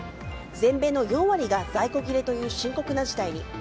全米の４割が在庫切れという深刻な事態に。